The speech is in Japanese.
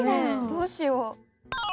どうしよう？